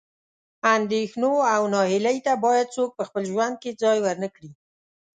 اندېښنو او نهیلۍ ته باید څوک په خپل ژوند کې ځای ورنه کړي.